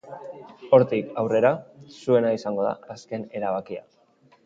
Hortik aurrera, zuena izango da azken erabakia.